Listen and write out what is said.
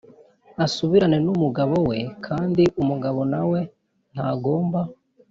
asubirane n umugabo we kandi umugabo na we ntagomba